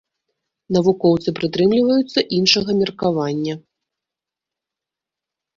Навукоўцы прытрымліваюцца іншага меркавання.